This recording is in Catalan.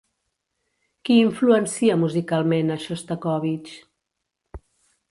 Qui influencia musicalment a Xostakóvitx?